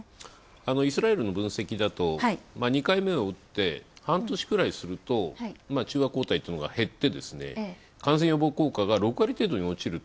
イスラエルの分析だと２回目を打って半年くらいすると中和抗体というのが減って感染予防効果が６割程度に落ちると。